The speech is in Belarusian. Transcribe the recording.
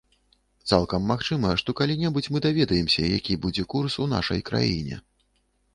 Цалкам магчыма, што калі-небудзь мы даведаемся, які будзе курс у нашай краіне.